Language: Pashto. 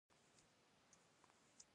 • ته لکه د ګل خندا یې.